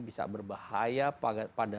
bisa berbahaya pada